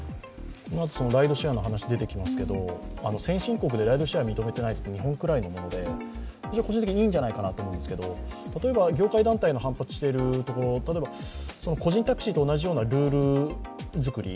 ライドシェアの話が出てきますけど、先進国でライドシェアを認めていないのは日本くらいのもので、個人的にはいいんじゃないかなと思うんですけど、例えば業界団体が反発しているところ、個人タクシーと同じようなルール作り